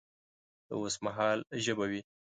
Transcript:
د اوس مهال ژبه وي